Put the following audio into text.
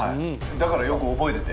だからよく覚えてて。